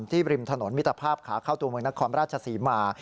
ริมถนนมิตรภาพขาเข้าตัวเมืองนครราชศรีมา